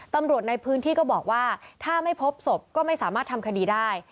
ตำรวจในพื้นที่ก็บอกว่าถ้าไม่พบศพก็ไม่สามารถทำคดีได้